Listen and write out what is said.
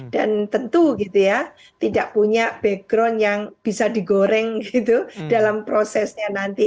dan tentu gitu ya tidak punya background yang bisa digoreng gitu dalam prosesnya nanti